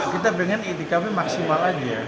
kita pengen itikafnya maksimal aja